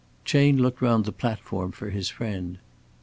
Chayne looked round the platform for his friend.